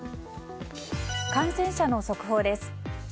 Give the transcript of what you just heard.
感染者の速報です。